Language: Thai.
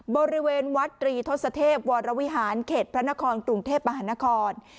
บริเวณวัดรีทศเทพวรวราวิหารเขตพระนครจุงเทพรรหณคร